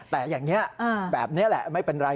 แต่อย่างนี้แบบนี้แหละไม่เป็นไร